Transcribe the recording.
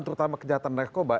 terutama kejahatan narkoba